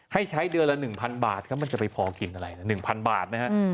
ให้ใช้เดือนละ๑๐๐บาทครับมันจะไปพอกินอะไรละ๑๐๐บาทนะฮะ